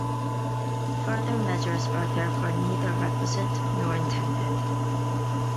Further measures are therefore neither requisite nor intended.